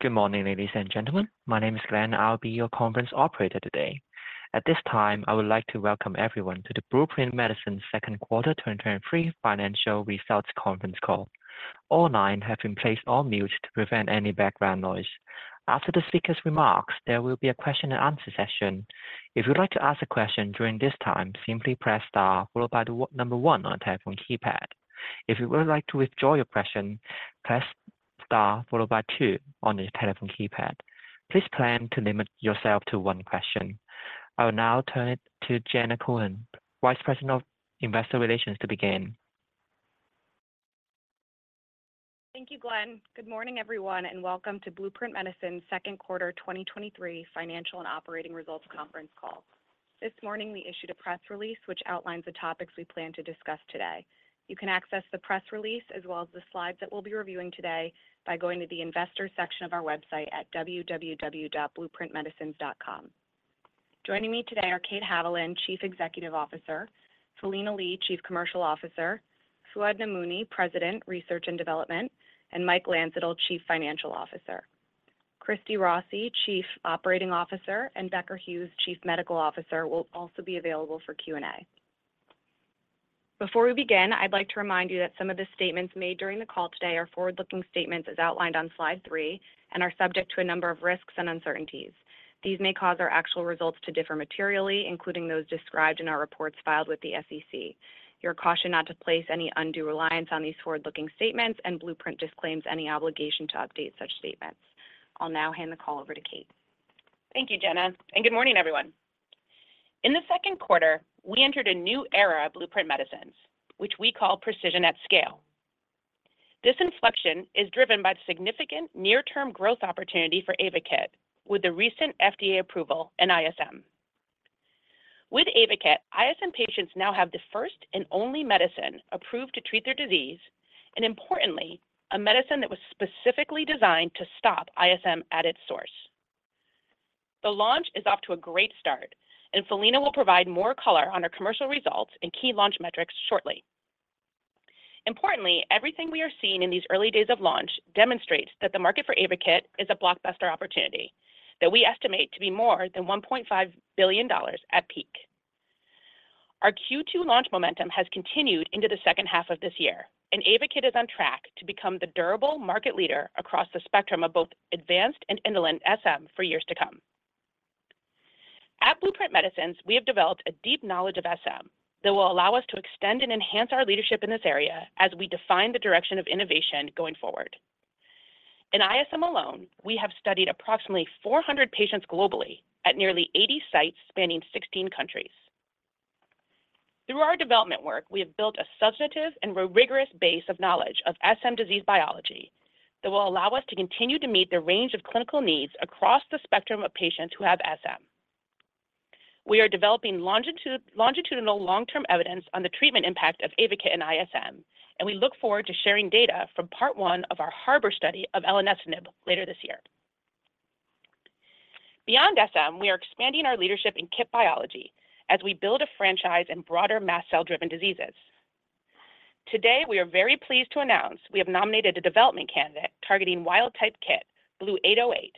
Good morning, ladies, and gentlemen. My name is Glenn, I'll be your conference operator today. At this time, I would like to welcome everyone to the Blueprint Medicines Second Quarter 2023 Financial Results Conference Call. All lines have been placed on mute to prevent any background noise. After the speaker's remarks, there will be a question-and-answer session. If you'd like to ask a question during this time, simply press star followed by one on your telephone keypad. If you would like to withdraw your question, press star followed by two on your telephone keypad. Please plan to limit yourself to one question. I will now turn it to Jenna Cohen, Vice President of Investor Relations, to begin. Thank you, Glenn. Good morning, everyone, and welcome to Blueprint Medicines Second Quarter 2023 Financial and Operating Results Conference Call. This morning, we issued a press release which outlines the topics we plan to discuss today. You can access the press release, as well as the slides that we'll be reviewing today, by going to the investor section of our website at www.blueprintmedicines.com. Joining me today are Kate Haviland, Chief Executive Officer; Philina Lee, Chief Commercial Officer; Fouad Namouni, President, Research and Development; and Mike Landsittel, Chief Financial Officer. Christina Rossi, Chief Operating Officer, and Becker Hewes, Chief Medical Officer, will also be available for Q&A. Before we begin, I'd like to remind you that some of the statements made during the call today are forward-looking statements, as outlined on slide three, and are subject to a number of risks and uncertainties. These may cause our actual results to differ materially, including those described in our reports filed with the SEC. You are cautioned not to place any undue reliance on these forward-looking statements, and Blueprint disclaims any obligation to update such statements. I'll now hand the call over to Kate. Thank you, Jenna. Good morning, everyone. In the second quarter, we entered a new era at Blueprint Medicines, which we call Precision at Scale. This inflection is driven by the significant near-term growth opportunity for AYVAKIT, with the recent FDA approval and ISM. With AYVAKIT, ISM patients now have the first and only medicine approved to treat their disease. Importantly, a medicine that was specifically designed to stop ISM at its source. The launch is off to a great start. Philina will provide more color on our commercial results and key launch metrics shortly. Importantly, everything we are seeing in these early days of launch demonstrates that the market for AYVAKIT is a blockbuster opportunity that we estimate to be more than $1.5 billion at peak. Our Q2 launch momentum has continued into the second half of this year, and AYVAKIT is on track to become the durable market leader across the spectrum of both advanced and indolent SM for years to come. At Blueprint Medicines, we have developed a deep knowledge of SM that will allow us to extend and enhance our leadership in this area as we define the direction of innovation going forward. In ISM alone, we have studied approximately 400 patients globally at nearly 80 sites spanning 16 countries. Through our development work, we have built a substantive and rigorous base of knowledge of SM disease biology that will allow us to continue to meet the range of clinical needs across the spectrum of patients who have SM. We are developing longitudinal long-term evidence on the treatment impact of AYVAKIT and ISM. We look forward to sharing data from part one of our HARBOR study of elenestinib later this year. Beyond SM, we are expanding our leadership in KIT biology as we build a franchise in broader mast cell-driven diseases. Today, we are very pleased to announce we have nominated a development candidate targeting wild-type KIT, BLU-808,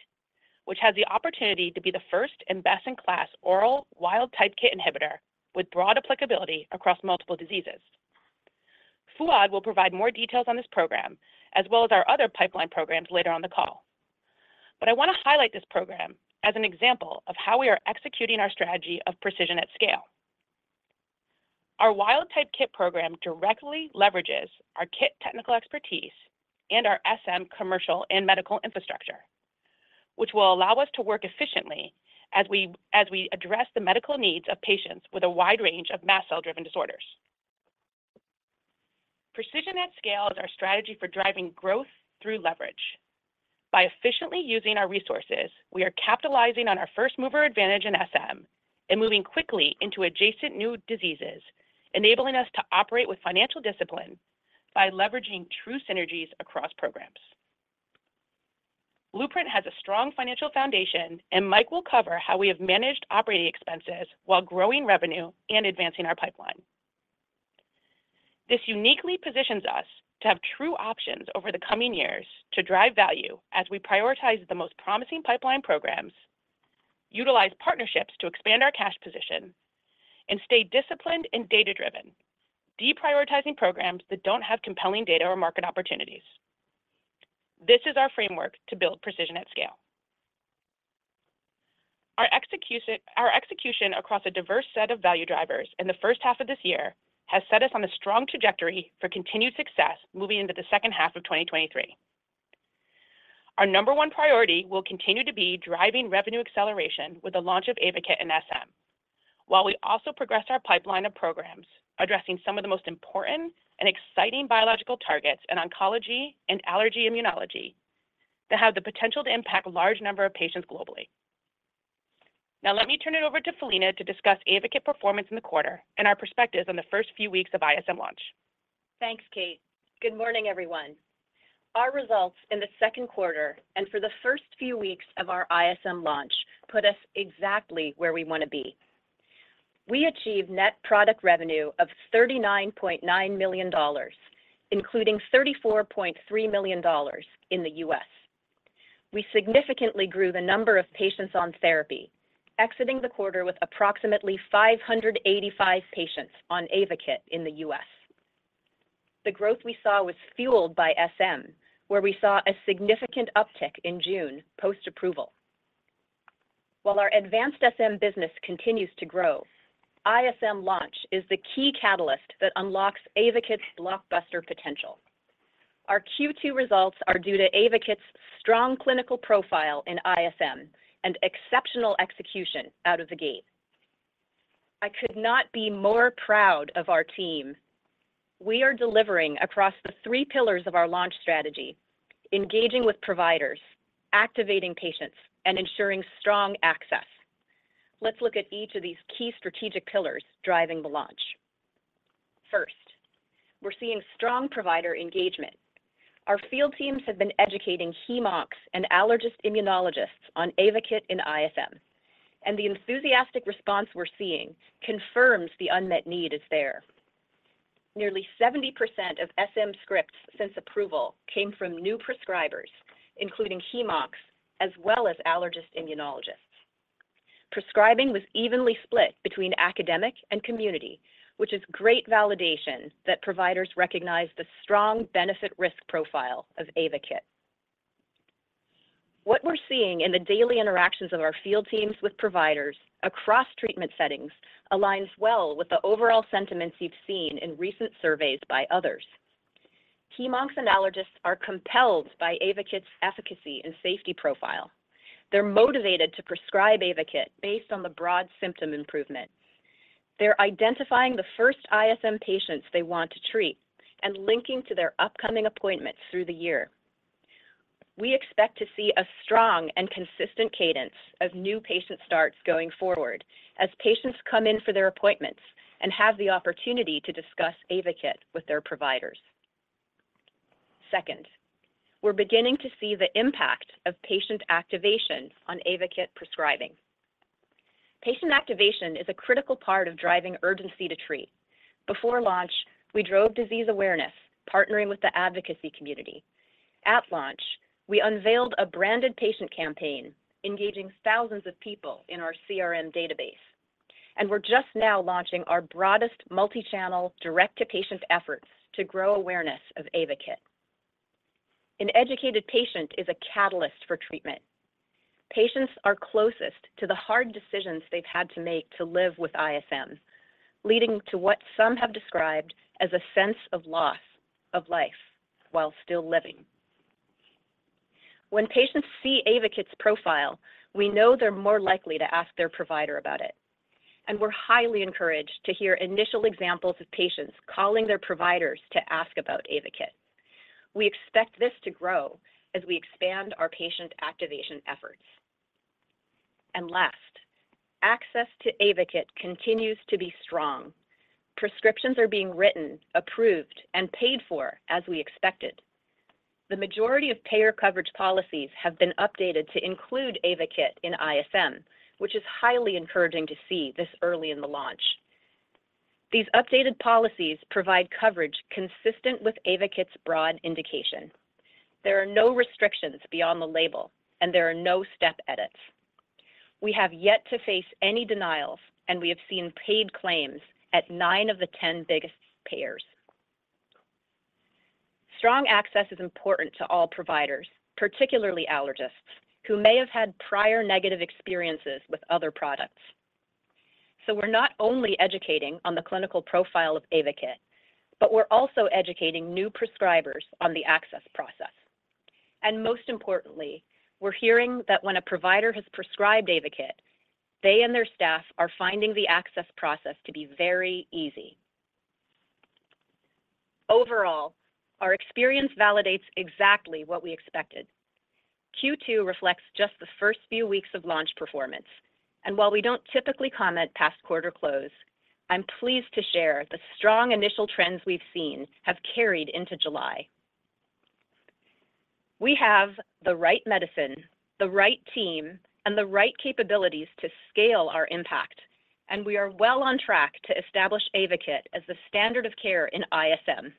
which has the opportunity to be the first and best-in-class oral wild-type KIT inhibitor with broad applicability across multiple diseases. Fouad will provide more details on this program, as well as our other pipeline programs later on the call. I want to highlight this program as an example of how we are executing our strategy of Precision at Scale. Our wild-type KIT program directly leverages our KIT technical expertise and our SM commercial and medical infrastructure, which will allow us to work efficiently as we address the medical needs of patients with a wide range of mast cell-driven disorders. Precision at Scale is our strategy for driving growth through leverage. By efficiently using our resources, we are capitalizing on our first-mover advantage in SM and moving quickly into adjacent new diseases, enabling us to operate with financial discipline by leveraging true synergies across programs. Blueprint has a strong financial foundation. Mike will cover how we have managed operating expenses while growing revenue and advancing our pipeline. This uniquely positions us to have true options over the coming years to drive value as we prioritize the most promising pipeline programs, utilize partnerships to expand our cash position, and stay disciplined and data-driven, deprioritizing programs that don't have compelling data or market opportunities. This is our framework to build Precision at Scale. Our execution, our execution across a diverse set of value drivers in the first half of this year has set us on a strong trajectory for continued success moving into the second half of 2023. Our number one priority will continue to be driving revenue acceleration with the launch of AYVAKIT and SM, while we also progress our pipeline of programs, addressing some of the most important and exciting biological targets in oncology and allergy immunology that have the potential to impact a large number of patients globally. Let me turn it over to Philina to discuss AYVAKIT performance in the quarter and our perspectives on the first few weeks of ISM launch. Thanks, Kate. Good morning, everyone. Our results in the second quarter and for the first few weeks of our ISM launch put us exactly where we want to be. We achieved net product revenue of $39.9 million including $34.3 million in the U.S. We significantly grew the number of patients on therapy exiting the quarter with approximately 585 patients on AYVAKIT in the U.S. The growth we saw was fueled by SM, where we saw a significant uptick in June post-approval. While our advanced SM business continues to grow, ISM launch is the key catalyst that unlocks AYVAKIT's blockbuster potential. Our Q2 results are due to AYVAKIT's strong clinical profile in ISM and exceptional execution out of the gate. I could not be more proud of our team. We are delivering across the three pillars of our launch strategy, engaging with providers, activating patients, and ensuring strong access. Let's look at each of these key strategic pillars driving the launch. First, we're seeing strong provider engagement. Our field teams have been educating HemOncs and allergist immunologists on AYVAKIT in ISM, and the enthusiastic response we're seeing confirms the unmet need is there. Nearly 70% of SM scripts since approval came from new prescribers, including HemOncs, as well as allergist immunologists. Prescribing was evenly split between academic and community, which is great validation that providers recognize the strong benefit risk profile of AYVAKIT. What we're seeing in the daily interactions of our field teams with providers across treatment settings aligns well with the overall sentiments you've seen in recent surveys by others. HemOncs and allergists are compelled by AYVAKIT's efficacy and safety profile. They're motivated to prescribe AYVAKIT based on the broad symptom improvement. They're identifying the first ISM patients they want to treat and linking to their upcoming appointments through the year. We expect to see a strong and consistent cadence of new patient starts going forward as patients come in for their appointments and have the opportunity to discuss AYVAKIT with their providers. Second, we're beginning to see the impact of patient activation on AYVAKIT prescribing. Patient activation is a critical part of driving urgency to treat. Before launch, we drove disease awareness, partnering with the advocacy community. At launch, we unveiled a branded patient campaign engaging thousands of people in our CRM database, and we're just now launching our broadest multi-channel, direct-to-patient efforts to grow awareness of AYVAKIT. An educated patient is a catalyst for treatment. Patients are closest to the hard decisions they've had to make to live with ISM, leading to what some have described as a sense of loss of life while still living. When patients see AYVAKIT's profile, we know they're more likely to ask their provider about it, and we're highly encouraged to hear initial examples of patients calling their providers to ask about AYVAKIT. We expect this to grow as we expand our patient activation efforts. Last, access to AYVAKIT continues to be strong. Prescriptions are being written, approved, and paid for as we expected. The majority of payer coverage policies have been updated to include AYVAKIT in ISM, which is highly encouraging to see this early in the launch. These updated policies provide coverage consistent with AYVAKIT's broad indication. There are no restrictions beyond the label, and there are no step edits. We have yet to face any denials, and we have seen paid claims at 9 of the 10 biggest payers. Strong access is important to all providers, particularly allergists, who may have had prior negative experiences with other products. We're not only educating on the clinical profile of AYVAKIT, but we're also educating new prescribers on the access process. Most importantly, we're hearing that when a provider has prescribed AYVAKIT, they and their staff are finding the access process to be very easy. Overall, our experience validates exactly what we expected. Q2 reflects just the first few weeks of launch performance, and while we don't typically comment past quarter close, I'm pleased to share the strong initial trends we've seen have carried into July. We have the right medicine, the right team, and the right capabilities to scale our impact, and we are well on track to establish AYVAKIT as the standard of care in ISM.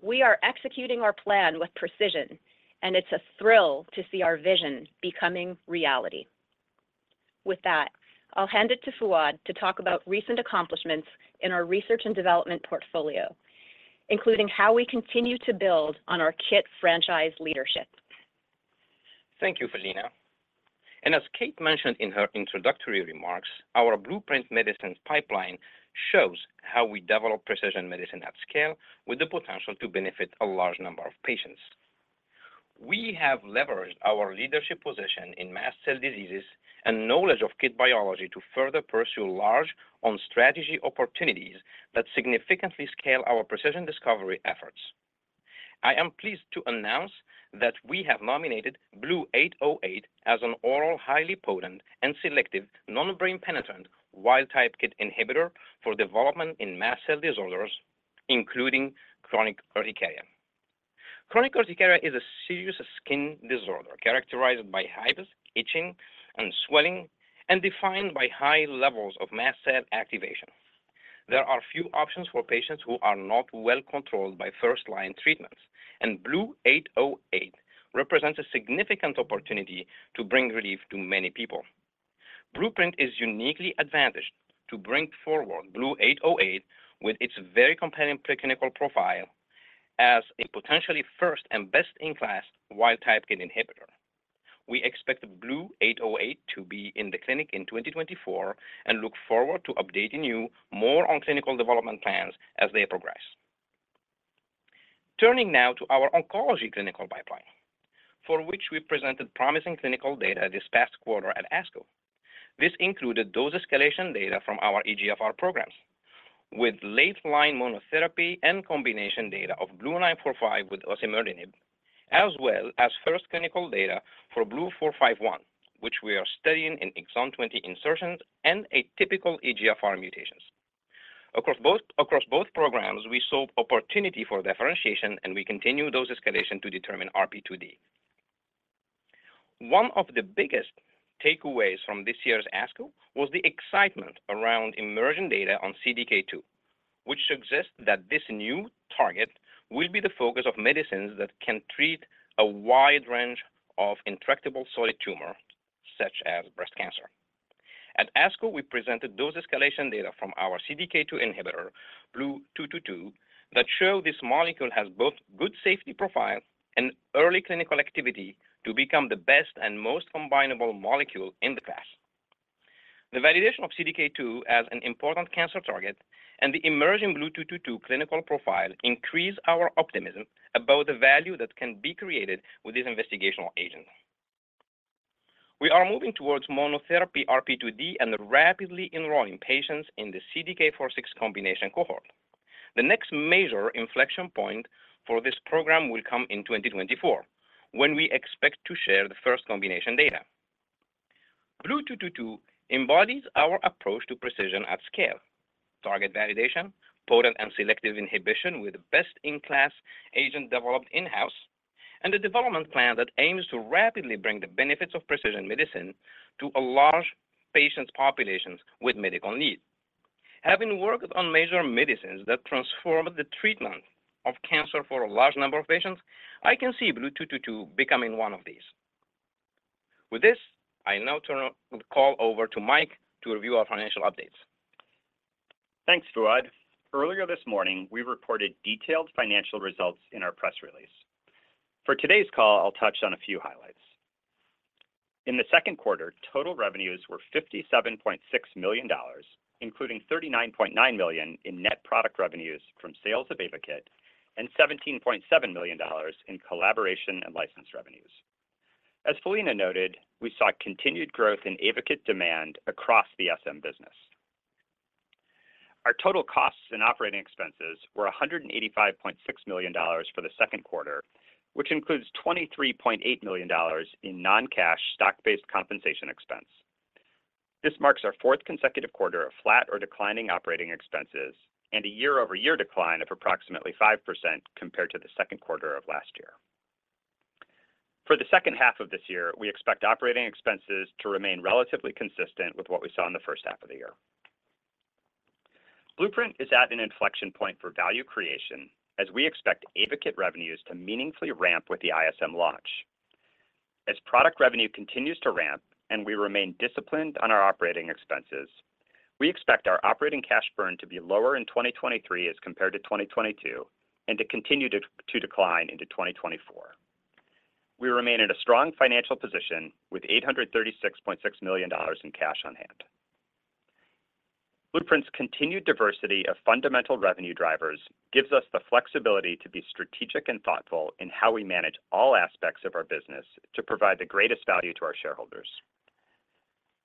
We are executing our plan with precision, and it's a thrill to see our vision becoming reality. With that, I'll hand it to Fouad to talk about recent accomplishments in our research and development portfolio, including how we continue to build on our KIT franchise leadership. Thank you, Philina. As Kate mentioned in her introductory remarks, our Blueprint Medicines pipeline shows how we develop Precision at Scale with the potential to benefit a large number of patients. We have leveraged our leadership position in mast cell diseases and knowledge of KIT biology to further pursue large on strategy opportunities that significantly scale our precision discovery efforts. I am pleased to announce that we have nominated BLU-808 as an oral, highly potent and selective, non-brain-penetrant, wild-type KIT inhibitor for development in mast cell disorders, including chronic urticaria. Chronic urticaria is a serious skin disorder characterized by hives, itching, and swelling, and defined by high levels of mast cell activation. There are few options for patients who are not well controlled by first-line treatments. BLU-808 represents a significant opportunity to bring relief to many people. Blueprint is uniquely advantaged to bring forward BLU-808 with its very compelling preclinical profile as a potentially first and best-in-class wild-type KIT inhibitor. We expect the BLU-808 to be in the clinic in 2024 and look forward to updating you more on clinical development plans as they progress. Turning now to our oncology clinical pipeline, for which we presented promising clinical data this past quarter at ASCO. This included dose escalation data from our EGFR programs, with late-line monotherapy and combination data of BLU-945 with osimertinib, as well as first clinical data for BLU-451, which we are studying in exon 20 insertions and atypical EGFR mutations. Across both programs, we saw opportunity for differentiation, and we continue dose escalation to determine RP2D. One of the biggest takeaways from this year's ASCO was the excitement around emerging data on CDK2, which suggests that this new target will be the focus of medicines that can treat a wide range of intractable solid tumor, such as breast cancer. At ASCO, we presented dose escalation data from our CDK2 inhibitor, BLU-222, that show this molecule has both good safety profile and early clinical activity to become the best and most combinable molecule in the class. The validation of CDK2 as an important cancer target and the emerging BLU-222 clinical profile increase our optimism about the value that can be created with this investigational agent. We are moving towards monotherapy RP2D and rapidly enrolling patients in the CDK4/6 combination cohort. The next major inflection point for this program will come in 2024, when we expect to share the first combination data. BLU-222 embodies our approach to Precision at Scale, target validation, potent and selective inhibition with best-in-class agent developed in-house, and a development plan that aims to rapidly bring the benefits of precision medicine to a large patient populations with medical needs. Having worked on major medicines that transform the treatment of cancer for a large number of patients, I can see BLU-222 becoming one of these. With this, I now turn the call over to Mike to review our financial updates. Thanks, Fouad. Earlier this morning, we reported detailed financial results in our press release. For today's call, I'll touch on a few highlights. In the second quarter, total revenues were $57.6 million, including $39.9 million in net product revenues from sales of AYVAKIT and $17.7 million in collaboration and license revenues. As Philina Lee noted, we saw continued growth in AYVAKIT demand across the SM business. Our total costs and operating expenses were $185.6 million for the second quarter, which includes $23.8 million in non-cash stock-based compensation expense. This marks our fourth consecutive quarter of flat or declining operating expenses and a year-over-year decline of approximately 5% compared to the second quarter of last year. For the second half of this year, we expect operating expenses to remain relatively consistent with what we saw in the first half of the year. Blueprint is at an inflection point for value creation as we expect AYVAKIT revenues to meaningfully ramp with the ISM launch. As product revenue continues to ramp and we remain disciplined on our operating expenses, we expect our operating cash burn to be lower in 2023 as compared to 2022, and to continue to decline into 2024. We remain in a strong financial position with $836.6 million in cash on hand. Blueprint's continued diversity of fundamental revenue drivers gives us the flexibility to be strategic and thoughtful in how we manage all aspects of our business to provide the greatest value to our shareholders.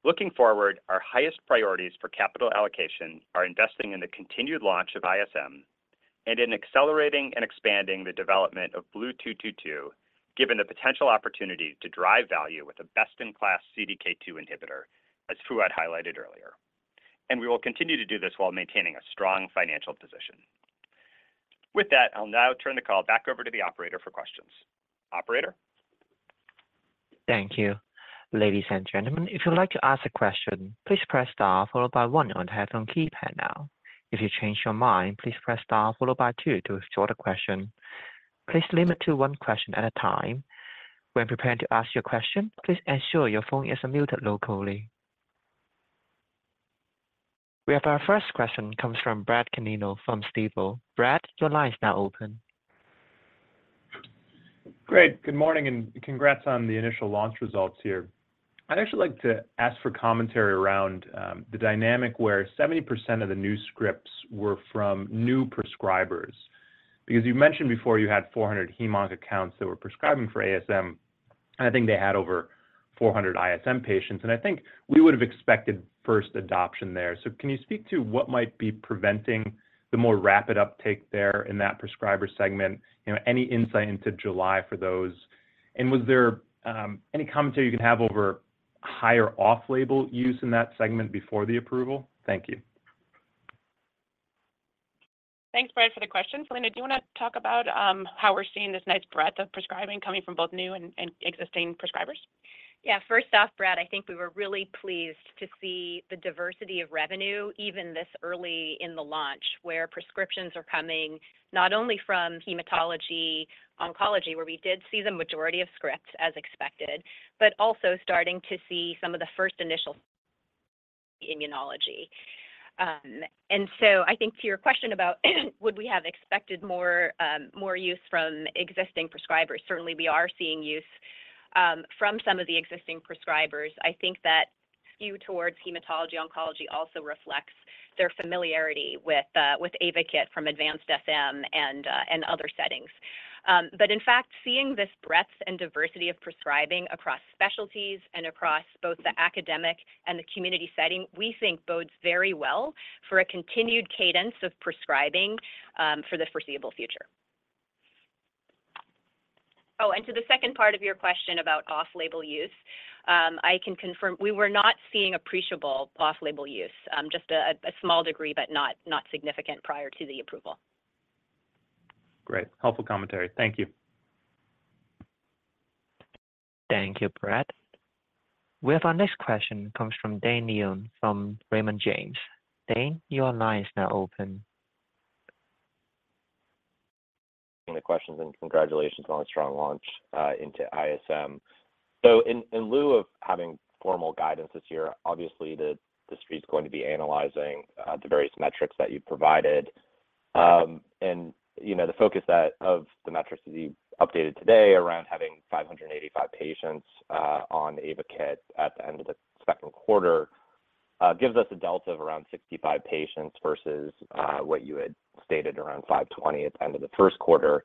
Looking forward, our highest priorities for capital allocation are investing in the continued launch of ISM and in accelerating and expanding the development of BLU-222, given the potential opportunity to drive value with a best-in-class CDK2 inhibitor, as Fouad highlighted earlier, and we will continue to do this while maintaining a strong financial position. With that, I'll now turn the call back over to the operator for questions. Operator? Thank you. Ladies, and gentlemen, if you'd like to ask a question, please press star followed by one on your telephone keypad now. If you change your mind, please press star followed by two to withdraw the question. Please limit to one question at a time. When preparing to ask your question, please ensure your phone is muted locally. We have our first question comes from Brad Canino from Stifel. Brad, your line is now open. Great. Good morning, congrats on the initial launch results here. I'd actually like to ask for commentary around the dynamic where 70% of the new scripts were from new prescribers, because you mentioned before you had 400 HemOnc accounts that were prescribing for ASM, and I think they had over 400 ISM patients, and I think we would have expected first adoption there. Can you speak to what might be preventing the more rapid uptake there in that prescriber segment? You know, any insight into July for those? Was there any commentary you could have over higher off-label use in that segment before the approval? Thank you. Thanks, Brad, for the question. Philina, do you want to talk about how we're seeing this nice breadth of prescribing coming from both new and existing prescribers? Yeah. First off, Brad, I think we were really pleased to see the diversity of revenue, even this early in the launch, where prescriptions are coming not only from hematology-oncology, where we did see the majority of scripts as expected, but also starting to see some of the first initial immunology. I think to your question about, would we have expected more use from existing prescribers? Certainly, we are seeing use from some of the existing prescribers. I think that skew towards hematology-oncology also reflects their familiarity with AYVAKIT from advanced SM and other settings. In fact, seeing this breadth and diversity of prescribing across specialties and across both the academic and the community setting, we think bodes very well for a continued cadence of prescribing for the foreseeable future. Oh, to the second part of your question about off-label use, I can confirm we were not seeing appreciable off-label use, just a, a small degree, but not, not significant prior to the approval. Great. Helpful commentary. Thank you. Thank you, Brad. We have our next question comes from Dane Leone from Raymond James. Dane, your line is now open. Any questions, congratulations on a strong launch into ISM. In, in lieu of having formal guidance this year, obviously, the, the street's going to be analyzing the various metrics that you've provided. You know, the focus that of the metrics that you updated today around having 585 patients on AYVAKIT at the end of the second quarter gives us a delta of around 65 patients versus what you had stated around 520 at the end of the first quarter.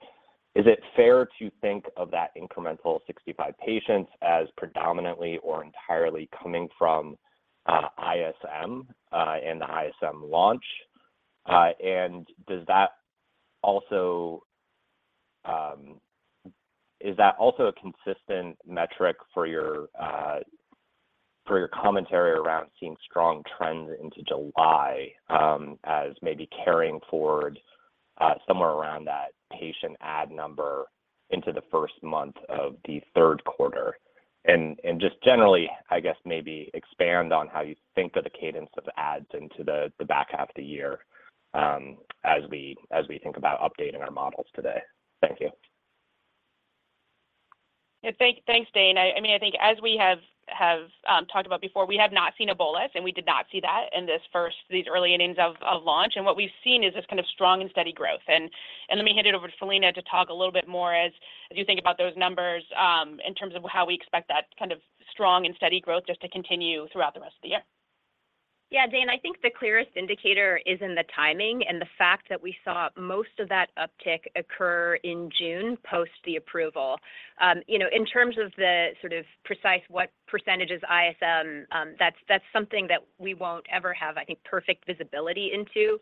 Is it fair to think of that incremental 65 patients as predominantly or entirely coming from ISM and the ISM launch? Does that also... Is that also a consistent metric for your for your commentary around seeing strong trends into July, as maybe carrying forward somewhere around that patient ad number into the first month of the third quarter? Just generally, I guess, maybe expand on how you think of the cadence of ads into the back half of the year, as we, as we think about updating our models today. Thank you. Yeah. Thank, thanks, Dane. I, I mean, I think as we have, have, talked about before, we have not seen a bolus, and we did not see that in this first, these early innings of, of launch. What we've seen is this kind of strong and steady growth. Let me hand it over to Philina to talk a little bit more as, as you think about those numbers, in terms of how we expect that kind of strong and steady growth just to continue throughout the rest of the year. Yeah, Dane, I think the clearest indicator is in the timing and the fact that we saw most of that uptick occur in June, post the approval. You know, in terms of the sort of precise, what % ISM, that's, that's something that we won't ever have, I think, perfect visibility into,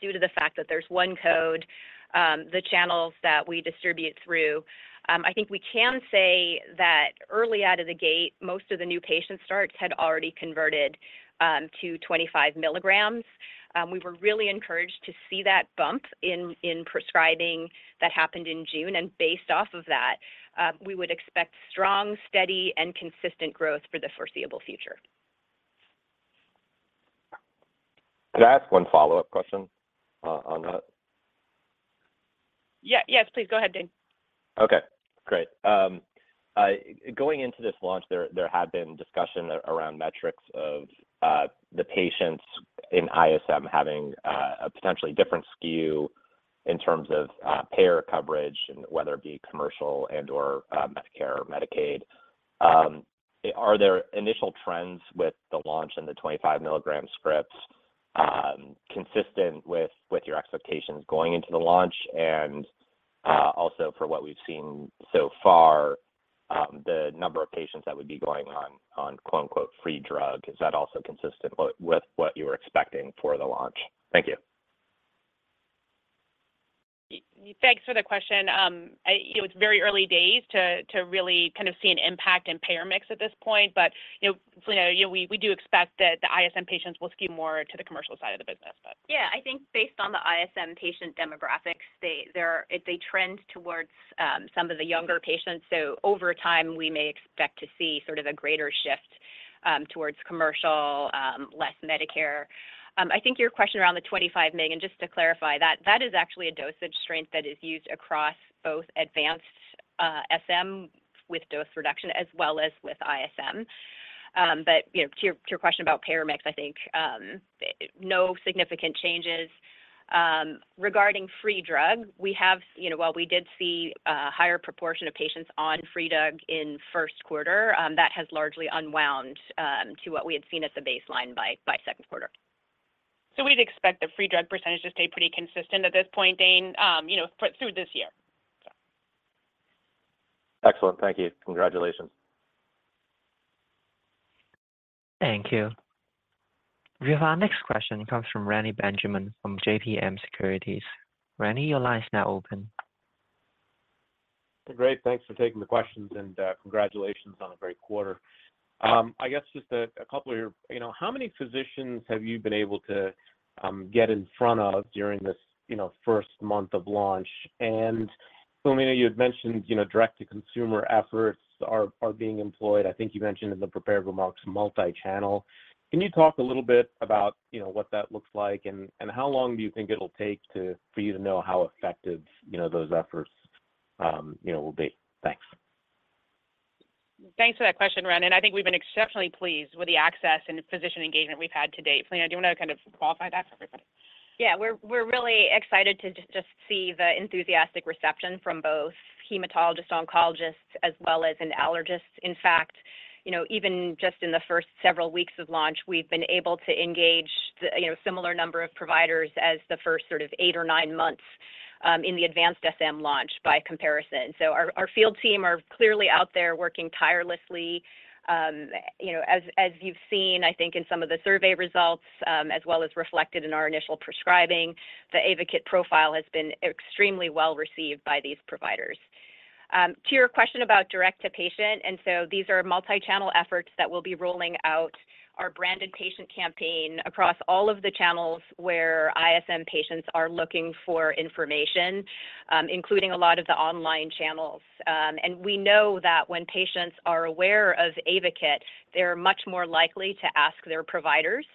due to the fact that there's one code, the channels that we distribute through. I think we can say that early out of the gate, most of the new patient starts had already converted to 25 mg. We were really encouraged to see that bump in, in prescribing that happened in June. Based off of that, we would expect strong, steady, and consistent growth for the foreseeable future. Can I ask one follow-up question on that? Yeah. Yes, please go ahead, Dane. Okay, great. Going into this launch, there, there had been discussion around metrics of the patients in ISM having a potentially different skew in terms of payer coverage and whether it be commercial and/or Medicare or Medicaid. Are there initial trends with the launch and the 25 mg scripts consistent with, with your expectations going into the launch? Also for what we've seen so far, the number of patients that would be going on, on quote-unquote, "free drug," is that also consistent with, with what you were expecting for the launch? Thank you. Thanks for the question. you know, it's very early days to, to really kind of see an impact in payer mix at this point. You know, Philina, you know, we, we do expect that the ISM patients will skew more to the commercial side of the business, but... Yeah, I think based on the ISM patient demographics, they, they're, they trend towards some of the younger patients. Over time, we may expect to see sort of a greater shift towards commercial, less Medicare. I think your question around the 25 mg, and just to clarify, that, that is actually a dosage strength that is used across both Advanced SM with dose reduction as well as with ISM. You know, to your, to your question about payer mix, I think, no significant changes. Regarding free drug, we have, you know, while we did see a higher proportion of patients on free drug in first quarter, that has largely unwound to what we had seen as a baseline by second quarter. We'd expect the free drug percentage to stay pretty consistent at this point, Dane, you know, through this year. Excellent. Thank you. Congratulations. Thank you. We have our next question comes from Reni Benjamin from JMP Securities. Reni, your line is now open. Great. Thanks for taking the questions, and congratulations on a great quarter. I guess just, you know, how many physicians have you been able to get in front of during this, you know, first month of launch? Philina, you had mentioned, you know, direct-to-consumer efforts are being employed. I think you mentioned in the prepared remarks multi-channel. Can you talk a little bit about, you know, what that looks like, and how long do you think it'll take for you to know how effective, you know, those efforts, you know, will be? Thanks. Thanks for that question, Reni. I think we've been exceptionally pleased with the access and physician engagement we've had to date. Philina Lee, do you want to kind of qualify that for everybody? Yeah, we're, we're really excited to just, just see the enthusiastic reception from both hematologists, oncologists, as well as in allergists. In fact, you know, even just in the first several weeks of launch, we've been able to engage the, you know, similar number of providers as the first sort of eight or nine months in the advanced SM launch by comparison. Our, our field team are clearly out there working tirelessly. You know, as, as you've seen, I think in some of the survey results, as well as reflected in our initial prescribing, the AYVAKIT profile has been extremely well received by these providers. To your question about direct-to-patient, these are multi-channel efforts that will be rolling out our branded patient campaign across all of the channels where ISM patients are looking for information, including a lot of the online channels. We know that when patients are aware of AYVAKIT, they're much more likely to ask their providers,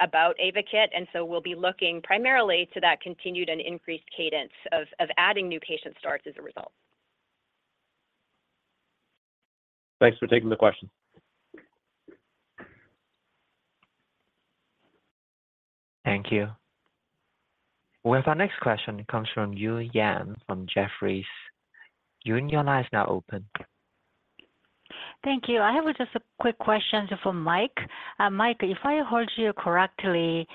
about AYVAKIT, and so we'll be looking primarily to that continued and increased cadence of, of adding new patient starts as a result. Thanks for taking the question. Thank you. Well, our next question comes from Eun Yang from Jefferies. Eun, your line is now open. Thank you. I have just a quick question for Mike. Mike, if I heard you correctly,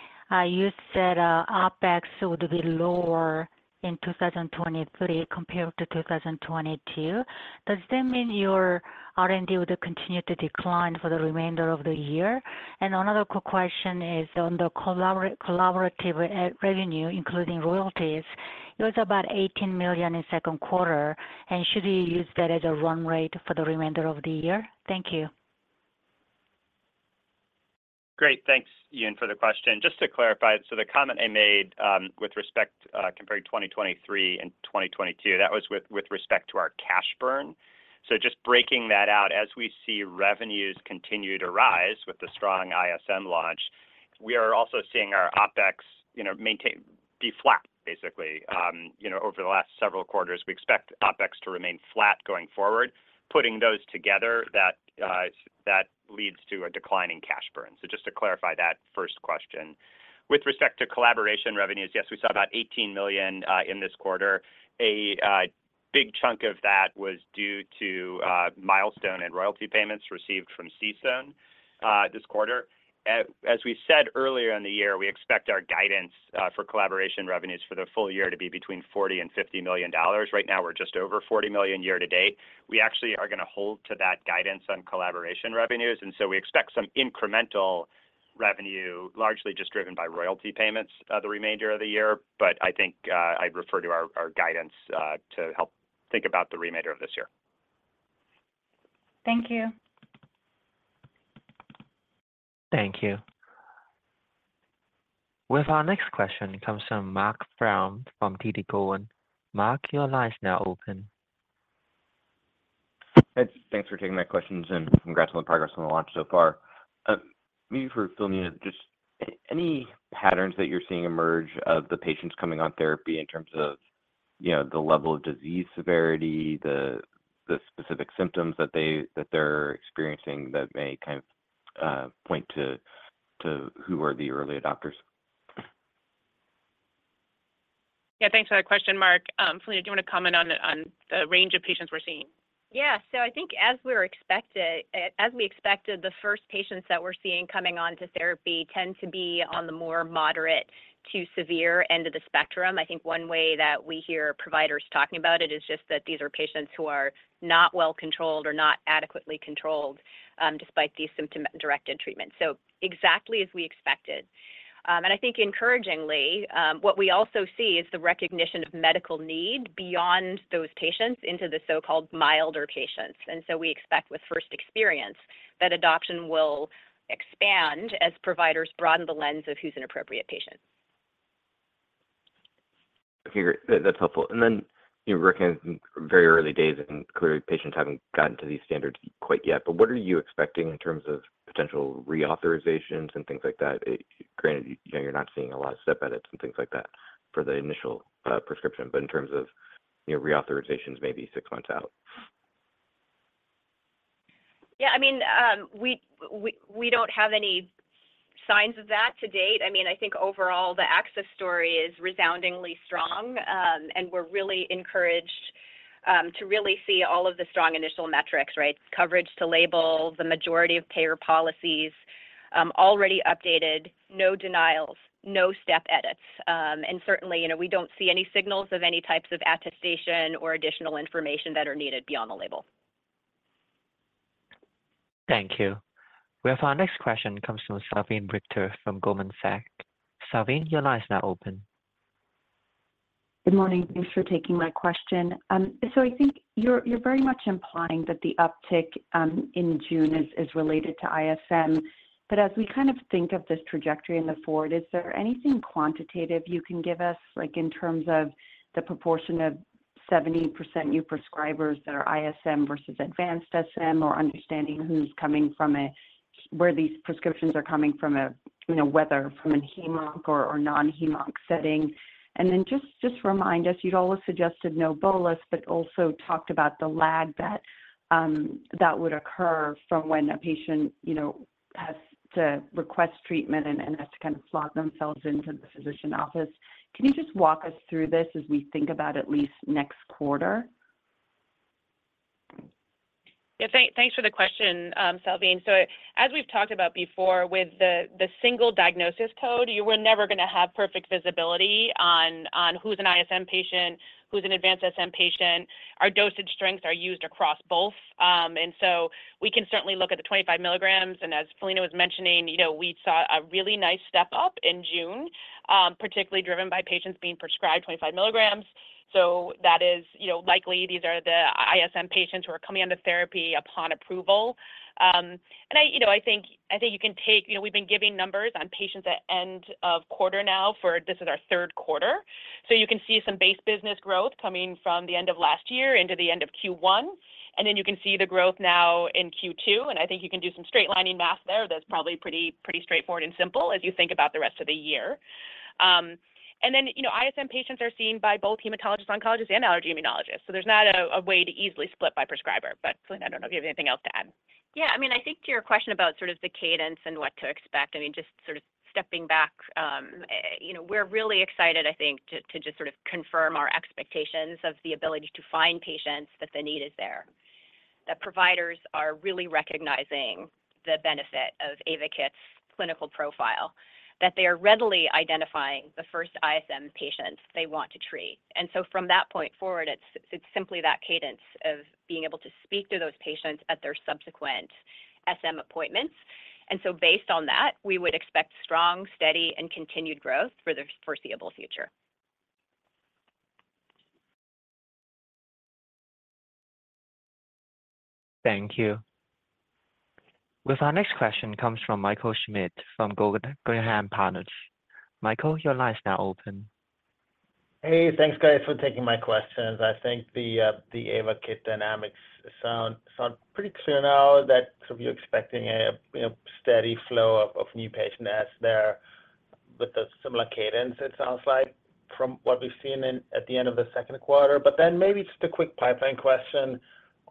you said OpEx would be lower in 2023 compared to 2022. Does that mean your R&D would continue to decline for the remainder of the year? Another question is on the collaborative revenue, including royalties. It was about $18 million in second quarter, and should we use that as a run rate for the remainder of the year? Thank you. Great. Thanks, Eun, for the question. Just to clarify, the comment I made, with respect, comparing 2023 and 2022, that was with, with respect to our cash burn. Just breaking that out, as we see revenues continue to rise with the strong ISM launch, we are also seeing our OpEx, you know, maintain- be flat, basically. You know, over the last several quarters, we expect OpEx to remain flat going forward. Putting those together, that leads to a decline in cash burn. Just to clarify that first question. With respect to collaboration revenues, yes, we saw about $18 million in this quarter. A big chunk of that was due to milestone and royalty payments received from CStone this quarter. As we said earlier in the year, we expect our guidance for collaboration revenues for the full year to be between $40 million-$50 million. Right now, we're just over $40 million year-to-date. We actually are going to hold to that guidance on collaboration revenues, so we expect some incremental revenue, largely just driven by royalty payments, the remainder of the year. I think, I'd refer to our, our guidance to help think about the remainder of this year. Thank you. Thank you. With our next question comes from Marc Frahm from TD Cowen. Mark, your line is now open. Thanks for taking my questions, and congrats on the progress on the launch so far. maybe for Philina, just any patterns that you're seeing emerge of the patients coming on therapy in terms of, you know, the level of disease severity, the, the specific symptoms that they, that they're experiencing that may kind of, point to, to who are the early adopters? Yeah, thanks for that question, Marc. Philina, do you want to comment on the, on the range of patients we're seeing? Yeah. I think as we were expected, as we expected, the first patients that we're seeing coming on to therapy tend to be on the more moderate to severe end of the spectrum. I think one way that we hear providers talking about it is just that these are patients who are not well controlled or not adequately controlled, despite these symptom- directed treatment. Exactly as we expected. I think encouragingly, what we also see is the recognition of medical need beyond those patients into the so-called milder patients. We expect with first experience, that adoption will expand as providers broaden the lens of who's an appropriate patient. Okay, great. That, that's helpful. You know, we're in very early days, and clearly, patients haven't gotten to these standards quite yet. What are you expecting in terms of potential reauthorizations and things like that? Granted, you know, you're not seeing a lot of step edits and things like that for the initial prescription. In terms of, you know, reauthorizations maybe six months out. Yeah, I mean, we, we, we don't have any signs of that to date. I mean, I think overall, the access story is resoundingly strong, and we're really encouraged to really see all of the strong initial metrics, right? Coverage to label, the majority of payer policies already updated, no denials, no step edits. Certainly, you know, we don't see any signals of any types of attestation or additional information that are needed beyond the label. Thank you. We have our next question comes from Salveen Richter from Goldman Sachs. Salveen, your line is now open. Good morning. Thanks for taking my question. I think you're, you're very much implying that the uptick in June is, is related to ISM. As we kind of think of this trajectory in the forward, is there anything quantitative you can give us, like in terms of the proportion of 70% new prescribers that are ISM versus advanced SM, or understanding who's coming from where these prescriptions are coming from a, you know, whether from a HemOnc or, or non-HemOnc setting? Then just, just remind us, you'd always suggested no bolus, but also talked about the lag that would occur from when a patient, you know, has to request treatment and, and has to kind of slot themselves into the physician office. Can you just walk us through this as we think about at least next quarter? Yeah, thank, thanks for the question, Salveen. As we've talked about before, with the, the single diagnosis code, you were never going to have perfect visibility on, on who's an ISM patient, who's an advanced SM patient. Our dosage strengths are used across both. We can certainly look at the 25 mg, and as Philina was mentioning, you know, we saw a really nice step up in June, particularly driven by patients being prescribed 25 mg. That is, you know, likely these are the ISM patients who are coming onto therapy upon approval. I, you know, I think, I think you can take-- you know, we've been giving numbers on patients at end of quarter now for this is our third quarter. You can see some base business growth coming from the end of last year into the end of Q1. Then you can see the growth now in Q2. I think you can do some straight lining math there. That's probably pretty, pretty straightforward and simple as you think about the rest of the year. Then, you know, ISM patients are seen by both hematologist-oncologist and allergist immunologist. There's not a way to easily split by prescriber, but Philina, I don't know if you have anything else to add. Yeah, I mean, I think to your question about sort of the cadence and what to expect, I mean, just sort of stepping back, you know, we're really excited, I think, to, to just sort of confirm our expectations of the ability to find patients that the need is there. That providers are really recognizing the benefit of AYVAKIT's clinical profile, that they are readily identifying the first ISM patients they want to treat. From that point forward, it's, it's simply that cadence of being able to speak to those patients at their subsequent SM appointments. Based on that, we would expect strong, steady, and continued growth for the foreseeable future. Thank you. With our next question comes from Michael Schmidt from Guggenheim Securities. Michael, your line is now open. Hey, thanks, guys, for taking my questions. I think the AYVAKIT dynamics sound pretty clear now that so you're expecting a steady flow of new patient adds there with a similar cadence, it sounds like, from what we've seen in at the end of the second quarter. Maybe just a quick pipeline question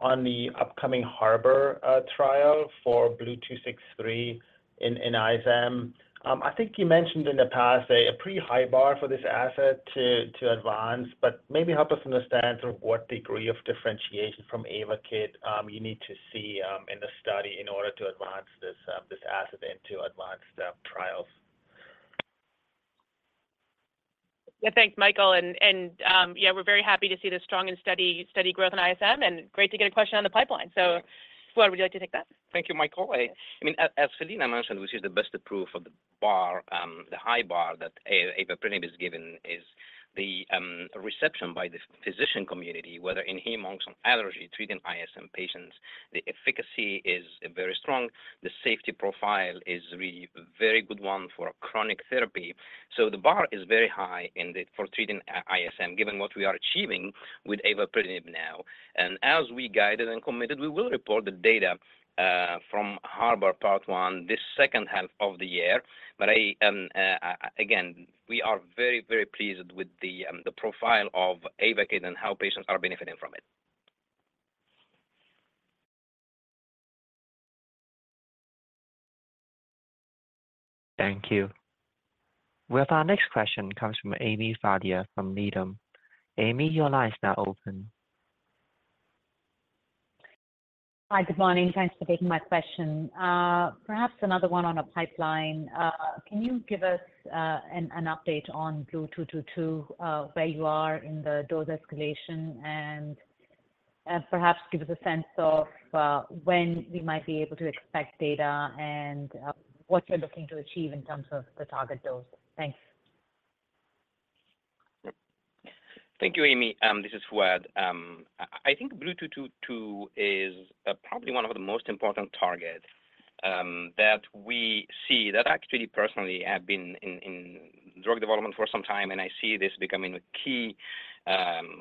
on the upcoming HARBOR trial for BLU-263 in ISM. I think you mentioned in the past a pretty high bar for this asset to advance, but maybe help us understand sort of what degree of differentiation from AYVAKIT you need to see in the study in order to advance this asset into advanced trials. Yeah. Thanks, Michael. Yeah, we're very happy to see the strong and steady, steady growth in ISM, and great to get a question on the pipeline. Fouad, would you like to take that? Thank you, Michael. I mean, as, as Philina mentioned, which is the best proof of the bar, the high bar that avapritinib is given is the reception by the physician community, whether in HemOnc or allergy, treating ISM patients, the efficacy is very strong. The safety profile is really very good one for chronic therapy. The bar is very high for treating ISM, given what we are achieving with avapritinib now. As we guided and committed, we will report the data from HARBOR Part one, this second half of the year. I, again, we are very, very pleased with the profile of AYVAKIT and how patients are benefiting from it. Thank you. With our next question comes from Ami Fadia from Needham. Ami, your line is now open. Hi, good morning. Thanks for taking my question. Perhaps another one on a pipeline. Can you give us an update on BLU-222, where you are in the dose escalation? Perhaps give us a sense of when we might be able to expect data and what you're looking to achieve in terms of the target dose? Thanks. Thank you, Ami. This is Fouad. I think BLU-222 is probably one of the most important targets that we see. That actually, personally, I've been in drug development for some time, and I see this becoming a key,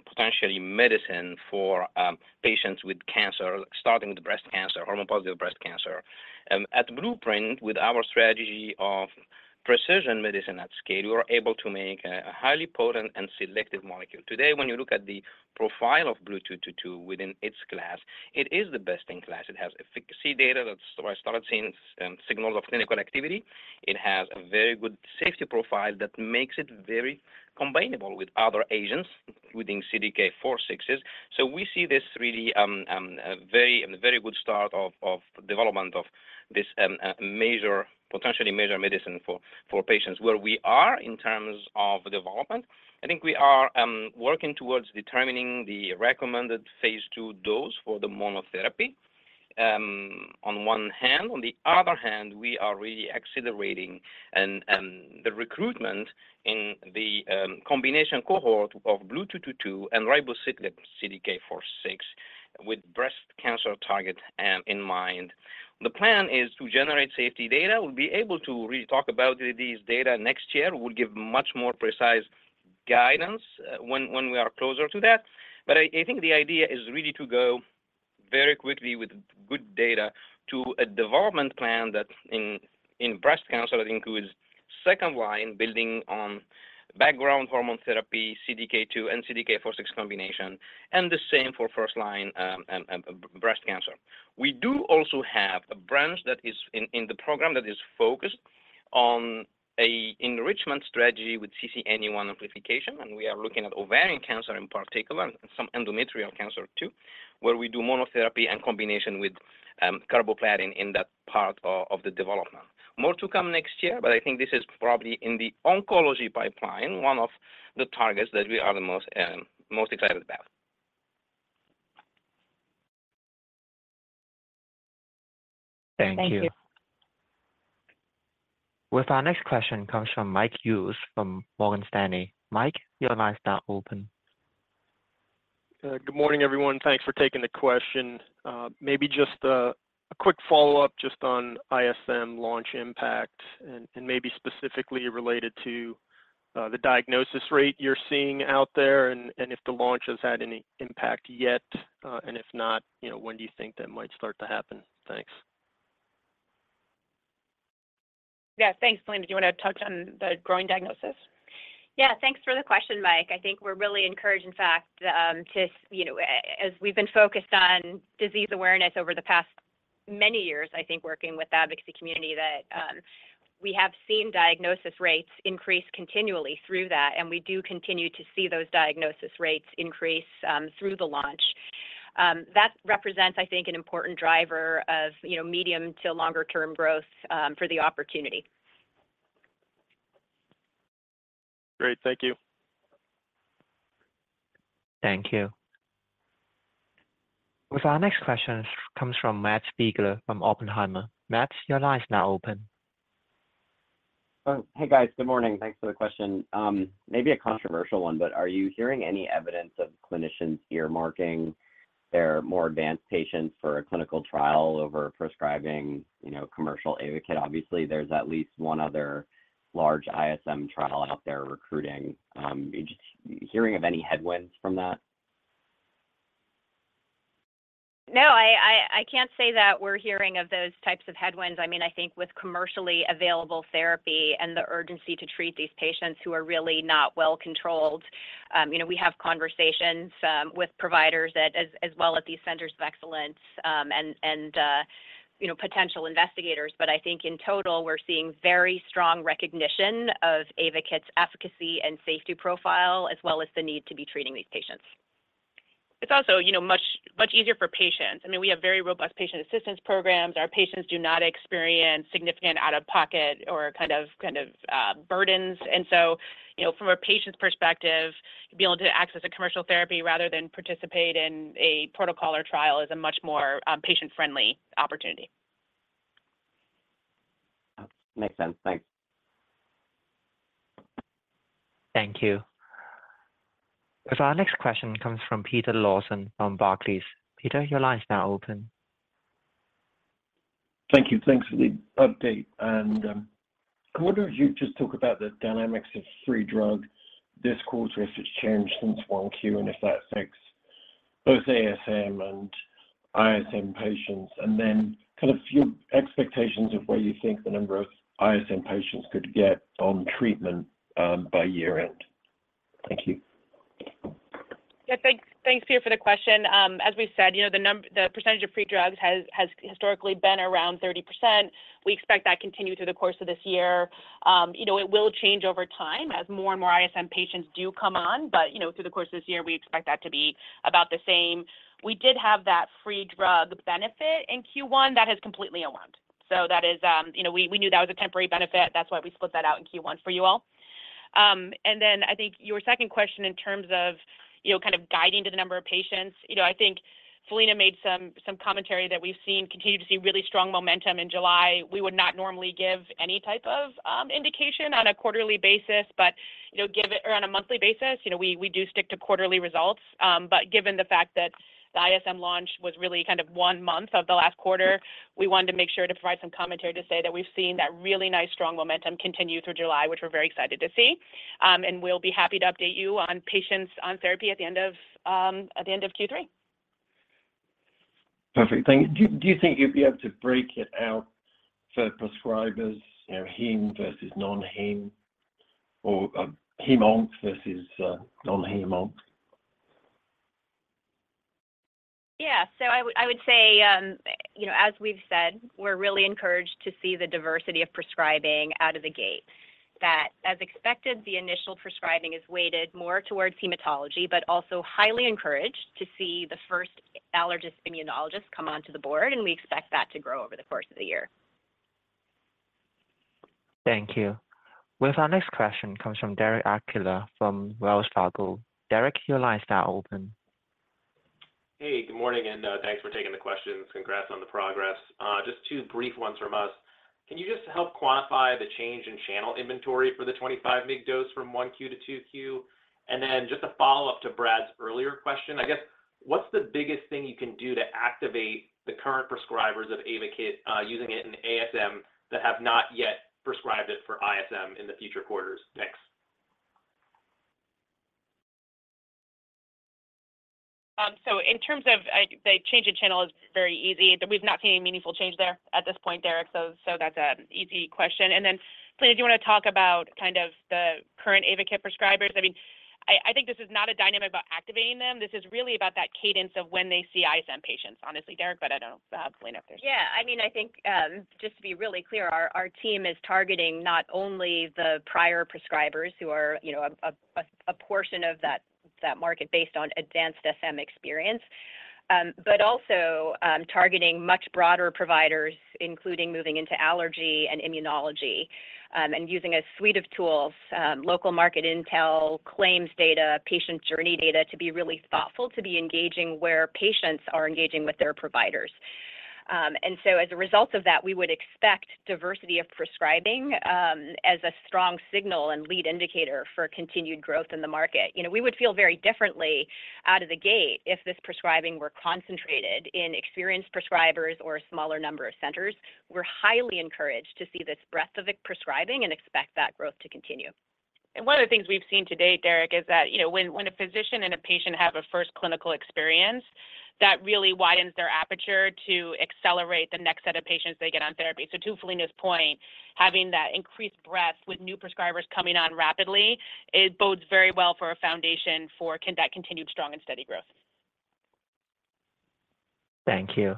potentially medicine for patients with cancer, starting with breast cancer, hormone-positive breast cancer. At Blueprint, with our strategy of Precision at Scale, we were able to make a highly potent and selective molecule. Today, when you look at the profile of BLU-222 within its class, it is the best in class. It has efficacy data that I started seeing signals of clinical activity. It has a very good safety profile that makes it very combinable with other agents within CDK4/6. We see this really, a very, a very good start of development of this major, potentially major medicine for patients. Where we are in terms of development, I think we are working towards determining the recommended phase II dose for the monotherapy, on one hand. On the other hand, we are really accelerating and the recruitment in the combination cohort of BLU-222 and ribociclib CDK4/6 with breast cancer target in mind. The plan is to generate safety data. We'll be able to really talk about these data next year. We'll give much more precise guidance when, when we are closer to that. I, I think the idea is really to go very quickly with good data to a development plan that in, in breast cancer, that includes second-line, building on background hormone therapy, CDK2 and CDK4/6 combination, and the same for first line, breast cancer. We do also have a branch that is in, in the program that is focused on a enrichment strategy with CCNE1 amplification, and we are looking at ovarian cancer in particular, and some endometrial cancer too, where we do monotherapy and combination with carboplatin in that part of the development. More to come next year. I think this is probably in the oncology pipeline, one of the targets that we are the most, most excited about. Thank you. Thank you. With our next question comes from Mike Hughes from Morgan Stanley. Mike, your line is now open. Good morning, everyone. Thanks for taking the question. Maybe just a quick follow-up just on ISM launch impact and maybe specifically related to the diagnosis rate you're seeing out there, and if the launch has had any impact yet. If not, you know, when do you think that might start to happen? Thanks. Yeah, thanks. Philina, do you want to touch on the growing diagnosis? Yeah, thanks for the question, Mike. I think we're really encouraged, in fact, to, you know, as we've been focused on disease awareness over the past many years, I think working with advocacy community, that, we have seen diagnosis rates increase continually through that, and we do continue to see those diagnosis rates increase through the launch. That represents, I think, an important driver of, you know, medium to longer term growth for the opportunity. Great. Thank you. Thank you. With our next question comes from Matt Biegler from Oppenheimer. Matt, your line is now open. Oh, hey, guys. Good morning. Thanks for the question. Maybe a controversial one, but are you hearing any evidence of clinicians earmarking their more advanced patients for a clinical trial over prescribing, you know, commercial AYVAKIT? Obviously, there's at least one other large ISM trial out there recruiting. Are you just hearing of any headwinds from that? No, I can't say that we're hearing of those types of headwinds. I mean, I think with commercially available therapy and the urgency to treat these patients who are really not well controlled, you know, we have conversations with providers that as, as well as these centers of excellence, and, and, you know, potential investigators. I think in total, we're seeing very strong recognition of AYVAKIT's efficacy and safety profile, as well as the need to be treating these patients. It's also, you know, much, much easier for patients. I mean, we have very robust patient assistance programs. Our patients do not experience significant out-of-pocket or kind of, kind of, burdens. You know, from a patient's perspective, to be able to access a commercial therapy rather than participate in a protocol or trial is a much more, patient-friendly opportunity. Makes sense. Thanks. Thank you. With our next question comes from Peter Lawson from Barclays. Peter, your line is now open. Thank you. Thanks for the update. I wonder if you could just talk about the dynamics of free drug this quarter, if it's changed since 1Q, and if that affects both ASM and ISM patients, and then kind of your expectations of where you think the number of ISM patients could get on treatment by year-end? Thank you. thanks, thanks, Peter, for the question. As we said, you know, the percentage of free drugs has, has historically been around 30%. We expect that continue through the course of this year. You know, it will change over time as more and more ISM patients do come on, but, you know, through the course of this year, we expect that to be about the same. We did have that free drug benefit in Q1. That has completely lapsed. That is, you know, we, we knew that was a temporary benefit. That's why we split that out in Q1 for you all. I think your second question in terms of, you know, kind of guiding to the number of patients, you know, I think Philina made some, some commentary that continue to see really strong momentum in July. We would not normally give any type of, indication on a quarterly basis, but, you know, or on a monthly basis, you know, we, we do stick to quarterly results. Given the fact that the ISM launch was really kind of one month of the last quarter, we wanted to make sure to provide some commentary to say that we've seen that really nice, strong momentum continue through July, which we're very excited to see. We'll be happy to update you on patients on therapy at the end of, at the end of Q3. Perfect, thank you. Do, do you think you'd be able to break it out for prescribers, you know, heme versus non-heme or HemOnc versus non-HemOnc? Yeah. I would, I would say, you know, as we've said, we're really encouraged to see the diversity of prescribing out of the gate. That as expected, the initial prescribing is weighted more towards hematology, but also highly encouraged to see the first allergist immunologist come onto the board, and we expect that to grow over the course of the year. Thank you. With our next question comes from Derek Archila from Wells Fargo. Derek, your line is now open. Hey, good morning, and thanks for taking the questions. Congrats on the progress. Just two brief ones from us. Can you just help quantify the change in channel inventory for the 25 mg dose from 1Q-2Q? Then just a follow-up to Brad's earlier question, I guess, what's the biggest thing you can do to activate the current prescribers of AYVAKIT, using it in ASM that have not yet prescribed it for ISM in the future quarters? Thanks. In terms of the change in channel is very easy. We've not seen any meaningful change there at this point, Derek, so that's an easy question. Philina, do you want to talk about kind of the current AYVAKIT prescribers? I mean, I, I think this is not a dynamic about activating them. This is really about that cadence of when they see ISM patients, honestly, Derek, I don't know. Philina, if there's- Yeah, I mean, I think, just to be really clear, our team is targeting not only the prior prescribers who are, you know, a portion of that market based on advanced SM experience, but also targeting much broader providers, including moving into allergy and immunology, and using a suite of tools, local market intel, claims data, patient journey data to be really thoughtful, to be engaging where patients are engaging with their providers. As a result of that, we would expect diversity of prescribing as a strong signal and lead indicator for continued growth in the market. You know, we would feel very differently out of the gate if this prescribing were concentrated in experienced prescribers or a smaller number of centers. We're highly encouraged to see this breadth of the prescribing and expect that growth to continue. One of the things we've seen to date, Derek, is that, you know, when, when a physician and a patient have a first clinical experience, that really widens their aperture to accelerate the next set of patients they get on therapy. So to Philina's point, having that increased breadth with new prescribers coming on rapidly, it bodes very well for a foundation for that continued strong and steady growth. Thank you.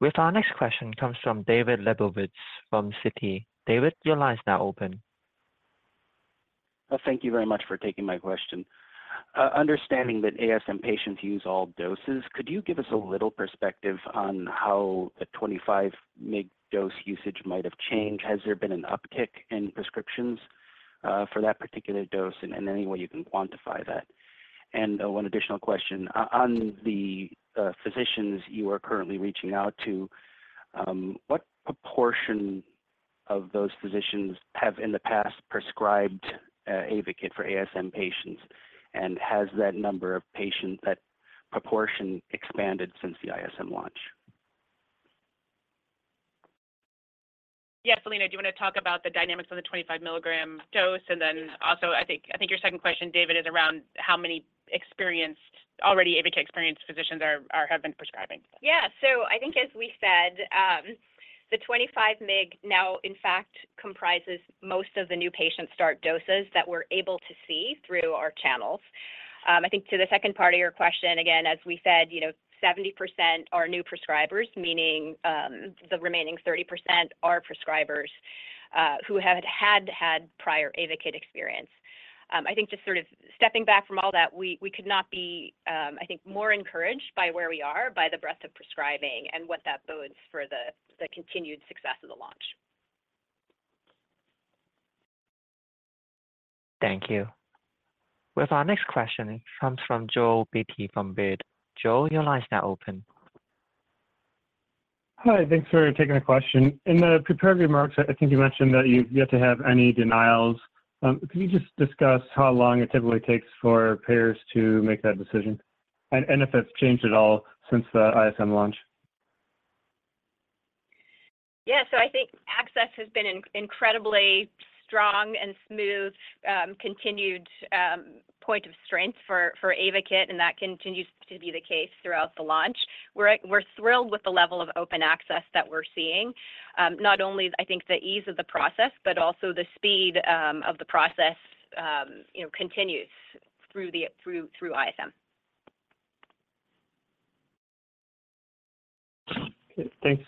With our next question comes from David Lebowitz from Citi. David, your line is now open. Thank you very much for taking my question. Understanding that ASM patients use all doses, could you give us a little perspective on how the 25 mg dose usage might have changed? Has there been an uptick in prescriptions for that particular dose, and any way you can quantify that? And one additional question. On the physicians you are currently reaching out to, what proportion of those physicians have in the past prescribed AYVAKIT for ASM patients? Has that number of patients, that proportion expanded since the ASM launch? Yeah. Philina, do you want to talk about the dynamics of the 25 mg dose? Also, I think, I think your second question, David, is around how many experienced, already AYVAKIT-experienced physicians have been prescribing. Yeah. I think as we said, the 25 mg now, in fact, comprises most of the new patient start doses that we're able to see through our channels. I think to the second part of your question, again, as we said, you know, 70% are new prescribers, meaning, the remaining 30% are prescribers who have had prior AYVAKIT experience. I think just sort of stepping back from all that, we, we could not be, I think, more encouraged by where we are, by the breadth of prescribing and what that bodes for the continued success of the launch. Thank you. With our next question comes from Joel Beatty from Baird. Joel, your line is now open. Hi, thanks for taking the question. In the prepared remarks, I think you mentioned that you've yet to have any denials. Can you just discuss how long it typically takes for payers to make that decision? and if it's changed at all since the ASM launch. Yeah. I think access has been incredibly strong and smooth, continued point of strength for AYVAKIT, and that continues to be the case throughout the launch. We're thrilled with the level of open access that we're seeing. Not only I think the ease of the process, but also the speed of the process, you know, continues through the, through, through ASM. Okay, thanks.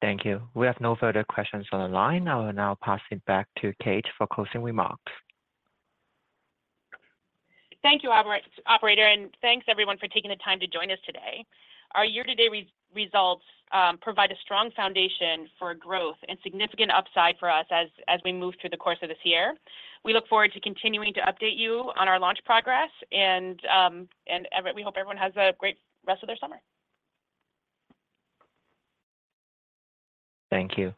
Thank you. We have no further questions on the line. I will now pass it back to Kate for closing remarks. Thank you, Operator, and thanks, everyone, for taking the time to join us today. Our year-to-date results provide a strong foundation for growth and significant upside for us as we move through the course of this year. We look forward to continuing to update you on our launch progress and we hope everyone has a great rest of their summer. Thank you.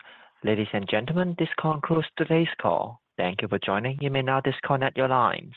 Ladies, and gentlemen, this concludes today's call. Thank you for joining. You may now disconnect your lines.